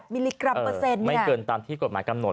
มิลลิกรัมเปอร์เซ็นต์ไม่เกินตามที่กฎหมายกำหนด